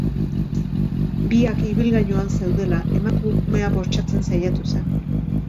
Biak ibilgailuan zeudela, emakumea bortxatzen saiatu zen.